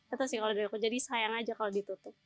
itu sih kalau dari aku jadi sayang aja kalau ditutup